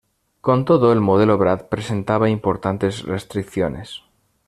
Con todo, el modelo Bratt presentaba importantes restricciones.